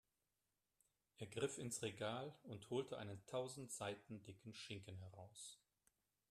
Er griff ins Regal und holte einen tausend Seiten dicken Schinken heraus.